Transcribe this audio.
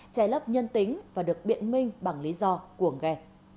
che lấp nhân tính và được biện minh bằng lý do của ghe